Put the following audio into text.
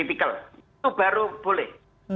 itu baru boleh